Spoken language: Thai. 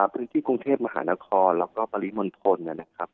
พื้นที่กรุงเทพมหานครแล้วก็ปริมณฑลนะครับ